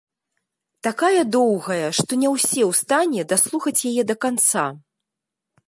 Такая доўгая, што не ўсе ў стане даслухаць яе да канца.